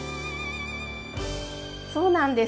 そうなんです。